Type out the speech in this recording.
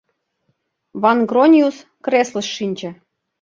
Ван-Грониус креслыш шинче.